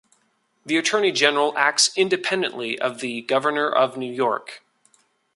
The Attorney General acts independently of the Governor of New York.